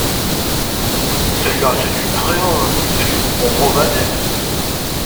Celle-là, c'est une créole, c'est une romanesque!